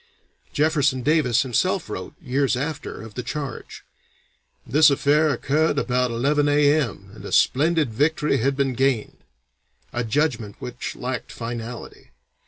Jefferson Davis himself wrote, years after, of the charge: "This affair occurred about 11 A.M., and a splendid victory had been gained," a judgment which lacked finality.